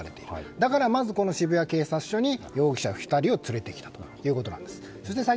だから渋谷警察署に容疑者２人を連れてきたということです。